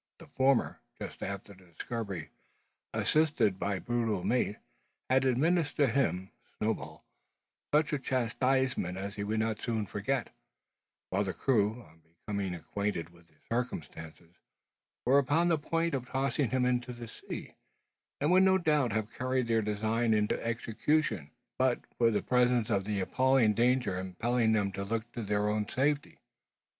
The former, just after the discovery, assisted by the brutal mate, had administered to him (Snowball) such a chastisement as he would not soon forget; while the crew, on becoming acquainted with the circumstance, were upon the point of tossing him into the sea; and would no doubt have carried their design into execution, but for the presence of the appalling danger impelling them to look to their own safety.